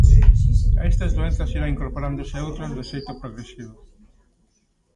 A estas doenzas irán incorporándose outras de xeito progresivo.